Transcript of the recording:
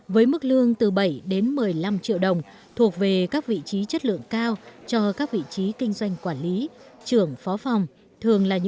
với mức lương từ bảy đến một mươi năm triệu đồng thuộc về các khách hàng tùy vào từng trình độ và công việc người lao động sẽ tìm được công việc với mức thu nhập khác nhau